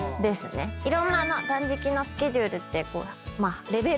いろんな断食のスケジュールってまあレベル？